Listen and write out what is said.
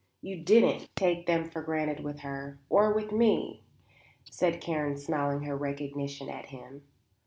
You didn't take them for granted with her, or with me," said Karen, smiling her recognition at him.